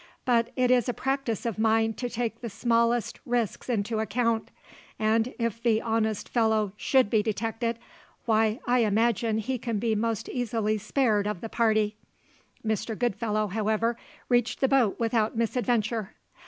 But it is a practice of mine to take the smallest risks into account; and if the honest fellow should be detected, why, I imagine he can be the most easily spared of the party." Mr. Goodfellow, however, reached the boat without misadventure.